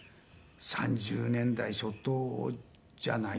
３０年代初頭じゃないですか。